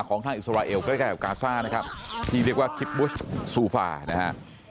ทางอิสราเอลใกล้กับกาฟ่านะครับที่เรียกว่าคิปบุชซูฟานะฮะ